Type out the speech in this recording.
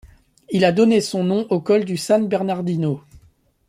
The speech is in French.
Il a donné son nom au col du San Bernardino.